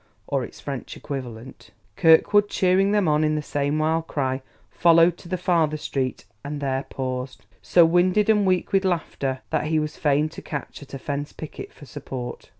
or its French equivalent. Kirkwood, cheering them on with the same wild cry, followed to the farther street; and there paused, so winded and weak with laughter that he was fain to catch at a fence picket for support.